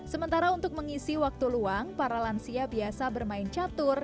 sementara untuk mengisi waktu luang para lansia biasa bermain catur